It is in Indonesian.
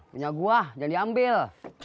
punya gue jadi ambil